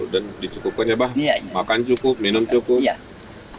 dan dicukupkan ya abah makan cukup minum cukup